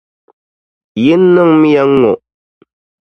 yin’ niŋmiya ŋ-ŋɔ: